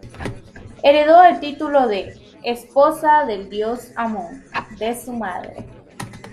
Heredó el título de "Esposa del dios Amón", de su madre.